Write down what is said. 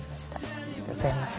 ありがとうございます。